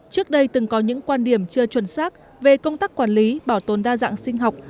trước đây từng có những quan điểm chưa chuẩn xác về công tác quản lý bảo tồn đa dạng sinh học